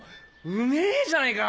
うめぇじゃねえか